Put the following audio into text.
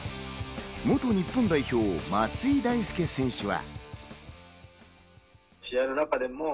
元日本代表・松井大輔選手は。